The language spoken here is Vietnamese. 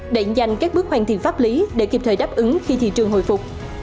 để nhanh các bước hoàn thiện pháp lý để kịp thời đáp ứng khi thị trường hồi phục